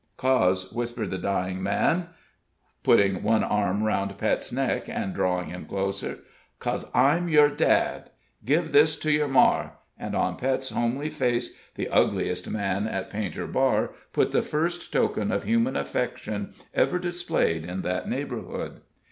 "'Cause," whispered the dying man, putting one arm about Pet's neck, and drawing him closer, "'cause I'm yer dad; give this to yer mar," and on Pet's homely face the ugliest man at Painter Bar put the first token of human affection ever displayed in that neighborhood.